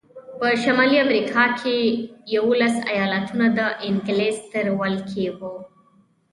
په شمالي امریکا کې یوولس ایالتونه د انګلیس تر ولکې وو.